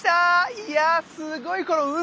いやすごいこの海。